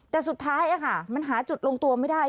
แต่สุดท้ายมันหาจุดลงตัวไม่ได้